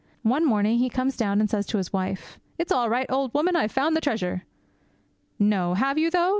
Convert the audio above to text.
One morning he comes down and says to his wife, "It is all right, old woman; I've found the treasure!" "No, have you, though?"